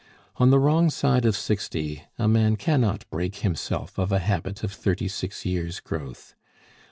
On the wrong side of sixty a man cannot break himself of a habit of thirty six years' growth.